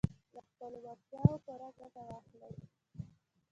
له خپلو وړتیاوو پوره ګټه واخلئ.